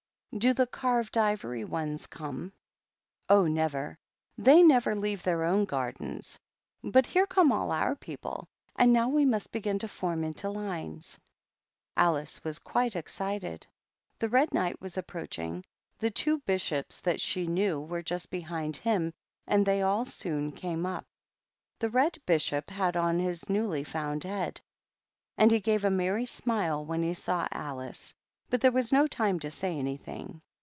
"Do the carved ivory ones come?" "Oh, never! They never leave their own gardens. But here come all our people, and now we must begin to form into line." Alice was quite excited. The Red Knight was approaching ; the two Bishops that she knew were 26 302 THE PAGEAITT. juMt behind hint, and they all soon came np. The Red HIhIii)]) luid on Ids newly fouud head, and he THE PAGEANT. 303 gave a merry smile when he saw Alice, but there was no time to say anything.